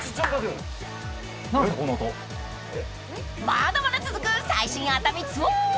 ［まだまだ続く最新熱海ツアー］